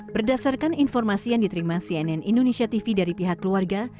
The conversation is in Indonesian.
berdasarkan informasi yang diterima cnn indonesia tv dari pihak keluarga